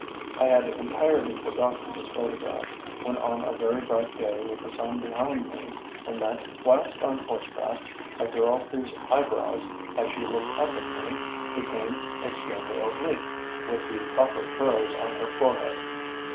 I had entirely forgotten this photograph, when on a very bright day with the sun behind me, I met, whilst on horseback, a girl whose eyebrows, as she looked up at me, became extremely oblique, with the proper furrows on her forehead.